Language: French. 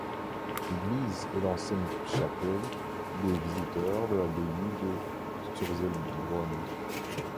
L'église est l'ancienne chapelle des visiteurs de l'abbaye de Sturzelbronn.